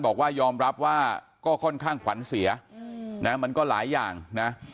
บอกว่ายอมรับว่าก็ค่อนข้างขวัญเสียนะมันก็หลายอย่างนะ